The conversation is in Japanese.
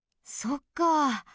そっか。